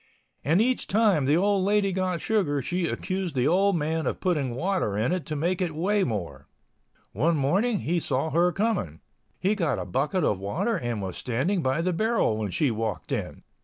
And each time the old lady got sugar she accused the old man of putting water in it to make it weigh more. One morning he saw her coming. He got a bucket of water and was standing by the barrel when she walked in.